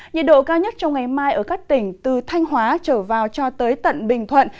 nhiệt độ cao nhất trong ngày mai ở các tỉnh từ thanh hóa trở vào cho tới tận bình thuận